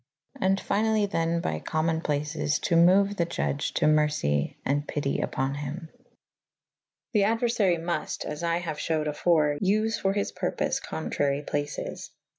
And finally then by comon places to moue the iudge to mercy & pytie vpon hym. The aduerfary muft (as I haue fhewed afore) vfe for his purpoie contrary places.